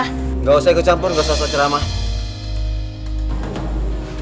tidak usah ikut campur tidak usah seramah